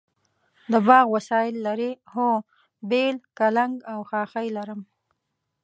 د باغ وسایل لرئ؟ هو، بیل، کلنګ او خاښۍ لرم